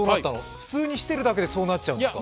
普通にしてるだけで、そうなっちゃうんですか？